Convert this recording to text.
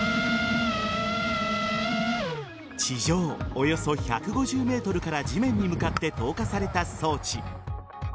地上およそ１５０ｍから地面に向かって投下された装置。